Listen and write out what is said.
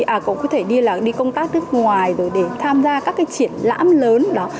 à cũng có thể đi công tác nước ngoài rồi để tham gia các cái triển lãm lớn đó